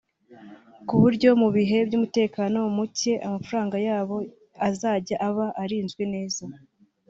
ku buryo mu bihe by’umutekano muke amafaranga yabo azajya aba arinzwe neza”